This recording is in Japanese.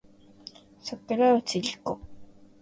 桜内梨子